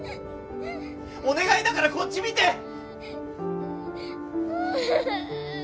お願いだからこっち見て！